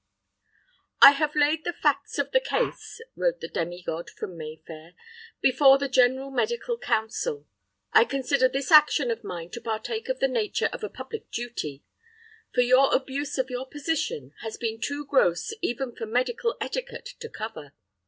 "I have laid the facts of the case," wrote the demi god from Mayfair, "before the General Medical Council. I consider this action of mine to partake of the nature of a public duty; for your abuse of your position has been too gross even for medical etiquette to cover.